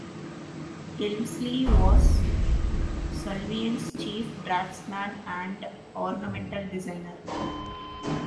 Elmslie was Sullivan's chief draftsman and ornamental designer.